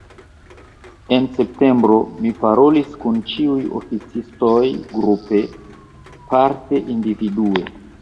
En septembro mi parolis kun ĉiuj oficistoj grupe, parte individue.